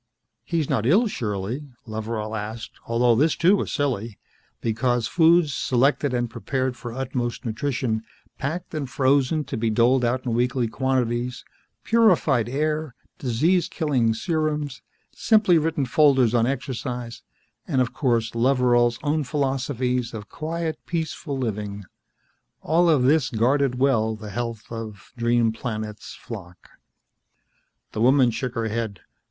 "He's not ill, surely?" Loveral asked, although this, too, was silly, because foods, selected and prepared for utmost nutrition, packed and frozen to be doled out in weekly quantities, purified air, disease killing serums, simply written folders on exercise, and of course Loveral's own philosophies of quiet, peaceful living all of this guarded well the health of Dream Planet's flock. The woman shook her head.